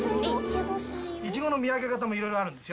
いちごの見分け方もいろいろあるんですよ。